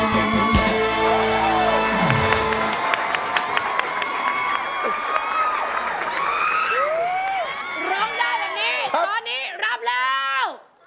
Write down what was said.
ร้องได้แบบนี้ตอนนี้รับแล้ว